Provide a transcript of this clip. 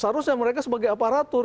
seharusnya mereka sebagai aparatur